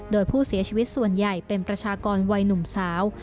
โดยผู้เสียชีวิตส่วนใหญ่เป็นประชากรวัยหนุ่มสาว